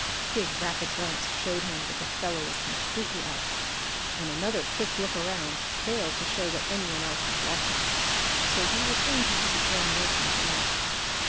His rapid glance showed him that the fellow was completely out: and another quick look around failed to show that anyone else was watching, so he returned to his examination of the man.